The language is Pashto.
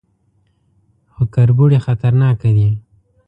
_خو کربوړي خطرناکه دي.